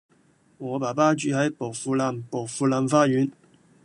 我爸爸住喺薄扶林薄扶林花園